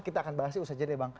kita akan bahas itu saja deh bang